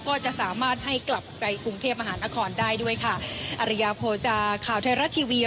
ก็จะสามารถให้กลับไปกรุงเทพมหานครได้ด้วยค่ะอริยาโภจาข่าวไทยรัฐทีวี